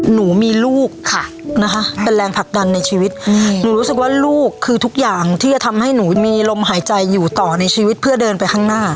หนูมีลูกค่ะนะคะเป็นแรงผลักดันในชีวิตหนูรู้สึกว่าลูกคือทุกอย่างที่จะทำให้หนูมีลมหายใจอยู่ต่อในชีวิตเพื่อเดินไปข้างหน้า